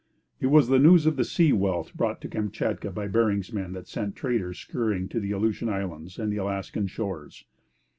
It was the news of the sea wealth brought to Kamchatka by Bering's men that sent traders scurrying to the Aleutian Islands and Alaskan shores.